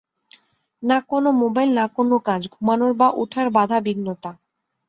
না কোন মোবাইল, না কোন কাজ, ঘুমানোর বা উঠার বাধাবিঘ্নতা।